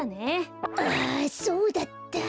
あそうだった。